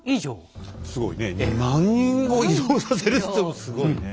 ２万人を移動させるっつってもすごいね。